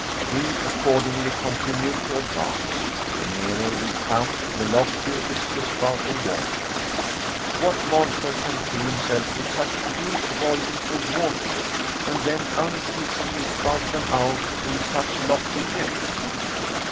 We, accordingly, continued to advance. The nearer we come, the loftier is the spouting water. What monster can fill himself with such huge volumes of water, and then unceasingly spout them out in such lofty jets?